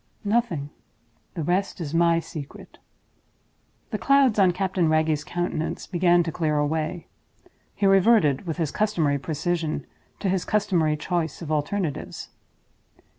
"Nothing. The rest is my secret." The clouds on Captain Wragge's countenance began to clear away again. He reverted, with his customary precision, to his customary choice of alternatives.